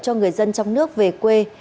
cho người dân trong nước về quê